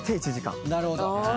なるほど。